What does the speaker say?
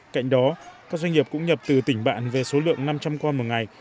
cạnh đó các doanh nghiệp cũng nhập từ tỉnh bạn về số lượng năm trăm linh con một ngày